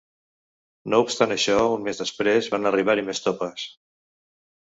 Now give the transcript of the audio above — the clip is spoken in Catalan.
No obstant això, un més després, van arribar-hi més topes.